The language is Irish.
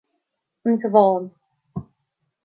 An Cabhán